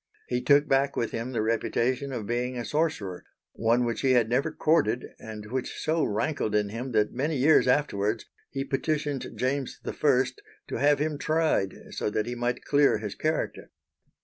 He took back with him the reputation of being a sorcerer, one which he had never courted and which so rankled in him that many years afterwards he petitioned James I to have him tried so that he might clear his character.